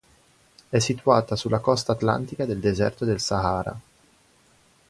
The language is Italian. È situata sulla costa atlantica del deserto del Sahara.